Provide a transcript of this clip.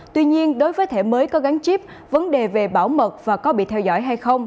tuy nhiên đối với thẻ mới có gắn chip vấn đề về bảo mật và có bị theo dõi hay không